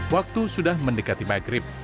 waktu sudah mendekati maghrib